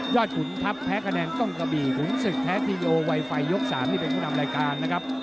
ยอดขุนทัพแพ้คะแนนกล้องกะบีหุงศึกแท๊กทีโอไวไฟยก๓เป็นผู้นำรายการ